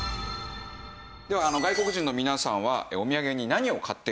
では外国人の皆さんはおみやげに何を買って帰るのか？